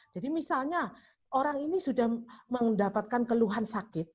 jadi misalnya orang ini sudah mendapatkan keluhan sakit